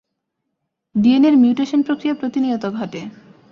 ডিএনএর মিউটেশন প্রক্রিয়া প্রতিনিয়ত ঘটে।